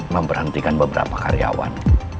memperhentikan beberapa karyawan